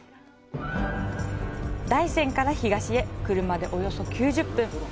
大山から東へ、車でおよそ９０分。